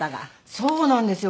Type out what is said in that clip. そうなんですよ。